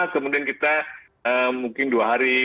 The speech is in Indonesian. kemudian kita mungkin dua hari